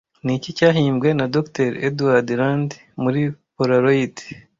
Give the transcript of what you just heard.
Niki cyahimbwe na Dr Edward Land muri Polaroid